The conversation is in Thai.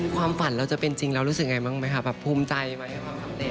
ความฝันเราจะเป็นจริงเรารู้สึกไงบ้างไหมคะแบบภูมิใจไหม